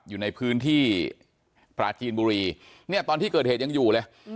อยู่ในพื้นที่ปราจีนบุรีเนี่ยตอนที่เกิดเหตุยังอยู่เลย